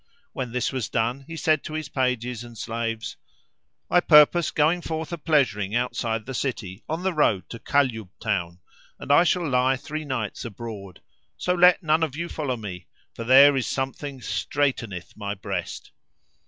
When this was done he said to his pages and slaves, "I purpose going forth a pleasuring outside the city on the road to Kalyub town, [FN#373] and I shall lie three nights abroad; so let none of you follow me, for there is something straiteneth my breast."